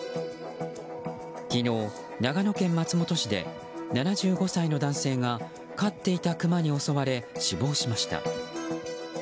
昨日、長野県松本市で７５歳の男性が飼っていたクマに襲われ死亡しました。